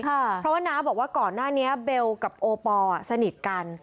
เพราะว่าน้าบอกว่าก่อนหน้านี้เบลกับโอปอลสนิทกัน